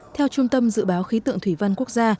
theo trung tâm dự báo khí tượng thủy văn quốc gia